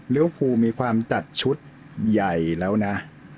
เร็วไปความตัดชุดใหญ่แล้วนะ